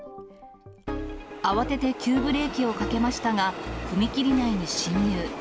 慌てて急ブレーキをかけましたが、踏切内に進入。